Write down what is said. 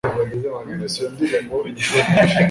Numvise iyo ndirimbo inshuro nyinshi